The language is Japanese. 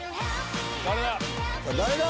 誰だ？